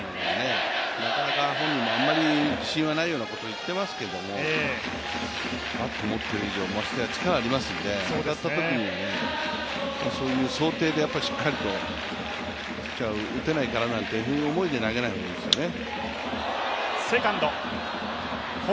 なかなか本人もあまり自信はないようなことは言っていますけどバット持ってる以上、ましてや力がありますので、当たったときに、そういう想定でしっかりとピッチャー、打てないからという思いで投げない方がいいですよね。